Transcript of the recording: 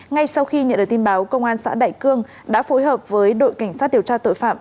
ngay sau khi nhận được tin báo công an xã đại cương đã phối hợp với đội cảnh sát điều tra tội phạm